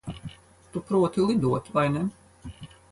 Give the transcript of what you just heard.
Tu proti lidot, vai ne?